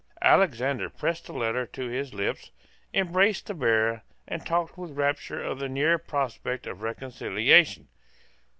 Alexander pressed the letter to his lips, embraced the bearer, and talked with rapture of the near prospect of reconciliation.